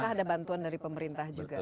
apakah ada bantuan dari pemerintah juga